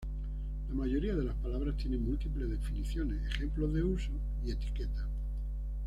La mayoría de las palabras tienen múltiples definiciones, ejemplos de uso, y etiquetas.